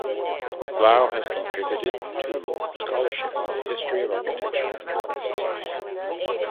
Blau has contributed to scholarship on the history of architecture and urban design.